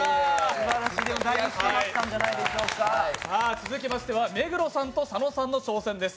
続きましては目黒さんと佐野さんの挑戦です。